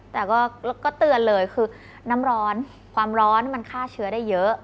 แต่ก็เตือนเลยคือน้ำร้อนความร้อนมันฆ่าเชื้อได้เยอะ